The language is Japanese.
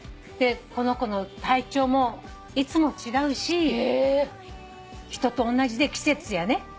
でこの子の体調もいつも違うし人とおんなじで季節やね